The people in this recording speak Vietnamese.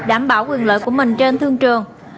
đảm bảo quyền lợi của mình trên thương trường